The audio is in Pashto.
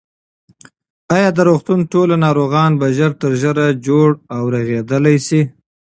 ایا د روغتون ټول ناروغان به ژر تر ژره جوړ او رغېدلي شي؟